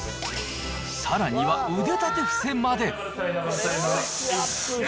さらには腕立て伏せまで。